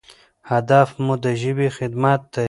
هدف مو د ژبې خدمت دی.